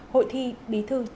hội thi bí thư